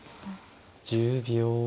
１０秒。